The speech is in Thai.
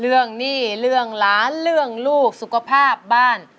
หนี้เรื่องหลานเรื่องลูกสุขภาพบ้าน